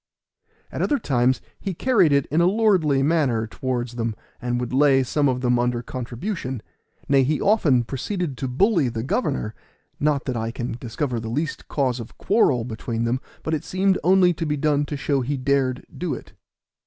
At other times he carried it in a lordly manner towards them, and would lay some of them under contribution; nay, he often proceeded to bully the governor, not that I can discover the least cause of quarrel between them, but it seemed only to be done to show he dared do it.